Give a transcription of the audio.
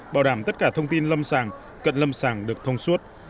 bảo đảm tất cả thông tin lâm sàng cận lâm sàng được thông suốt